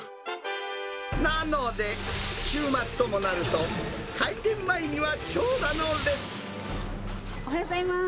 なので、週末ともなると、おはようございます。